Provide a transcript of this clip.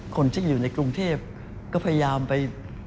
คนที่อยู่ในกรุงเทพก็พยายามไป